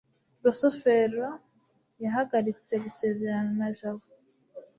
rusufero yahagaritse gusezerana na jabo